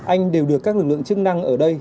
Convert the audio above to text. anh đều được các lực lượng chức năng ở đây